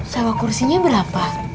sewa kursinya berapa